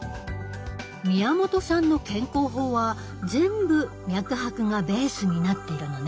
宮本さんの健康法は全部脈拍がベースになっているのね。